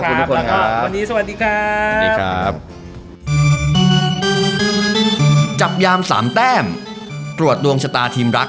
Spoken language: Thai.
แล้วก็วันนี้สวัสดีครับสวัสดีครับ